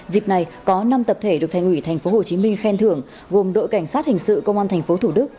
dịp này có năm tập thể được thành ủy tp hồ chí minh khen thưởng gồm đội cảnh sát hình sự công an tp thủ đức